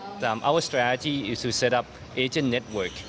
strategi kami adalah menetapkan jaringan agen